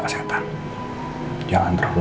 kesehatan jangan terlalu